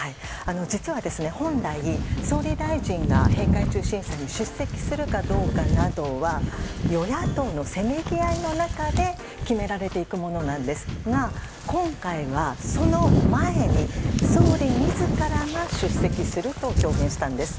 実は、本来総理大臣が閉会中審査に出席するかどうかなどは与野党のせめぎあいの中で決められていくものなんですが今回は、その前に総理自らが出席すると表明したんです。